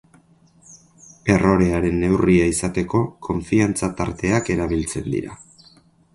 Errorearen neurria izateko, konfiantza-tarteak erabiltzen dira.